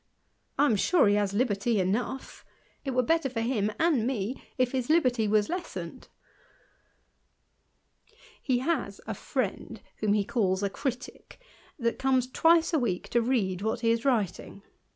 I am sure he has Hberty enough : it were better for him and me if his liberty was lessened. He has a friend, whom he calls a critick, that comes twice a week to read what he is writing.